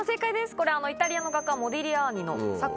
これイタリアの画家モディリアーニの作品。